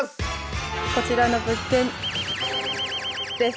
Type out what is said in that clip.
こちらの物件です。